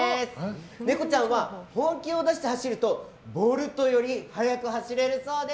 ネコちゃんは本気を出して走るとボルトより速く走れるそうです。